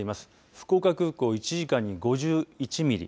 福岡空港、１時間に５１ミリ